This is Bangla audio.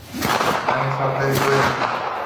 আমি সার্জারি করছি।